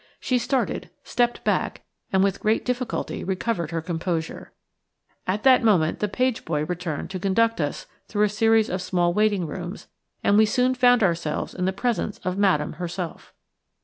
She started, stepped back, and with great difficulty recovered her composure. At that moment the page boy returned to conduct us through a series of small waiting rooms, and we soon found ourselves in the presence of Madame herself.